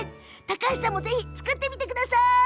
高橋さんもぜひ作ってみてください。